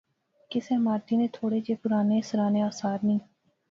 کسے عمارتی نے تھوڑے جے پرانے سرانے آثار نئیں